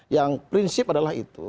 yang prinsip adalah itu